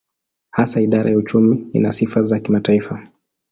Hasa idara ya uchumi ina sifa za kimataifa.